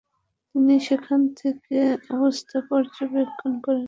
তিনি সেখান থেকে অবস্থা পর্যবেক্ষণ করেন।